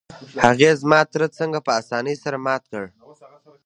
هغې زما تره څنګه په اسانۍ سره مات کړ؟